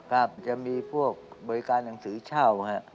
ครับจะมีพวกบริการหนังสือเช่าฮะ